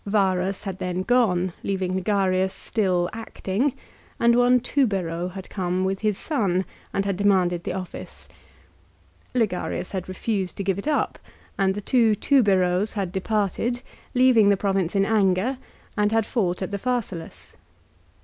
Varus had then gone, leav ing Ligarius still acting, and one Tubero had come with his son, and had demanded the office. Ligarius had refused to give it up, and the two Tuberos had departed, leaving the province in anger, and had fought at the Pharsalus.